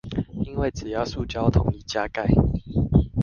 因為只要塑膠桶一加蓋